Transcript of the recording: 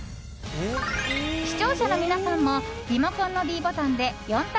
視聴者の皆さんもリモコンのｄボタンで４択